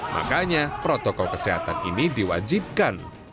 makanya protokol kesehatan ini diwajibkan